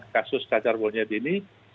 kasus kacar wong jatin ini